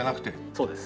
そうです。